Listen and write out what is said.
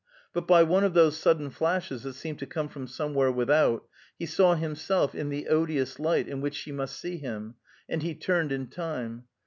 But by one of those sudden flashes that seem to come from somewhere without, he saw himself in the odious light in which she must see him, and he turned in time.